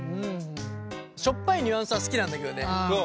しょっぱいニュアンスは好きなんだけどね。